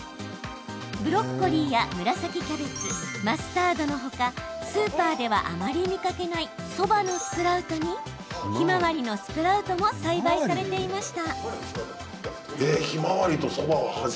ブロッコリーや紫キャベツマスタードのほかスーパーではあまり見かけないそばのスプラウトにひまわりのスプラウトも栽培されていました。